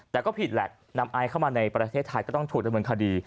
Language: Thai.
แต่ก็ผิดแหละนำไอซ์เข้ามาในประเทศไทยก็ต้องถูกดำเนินคดี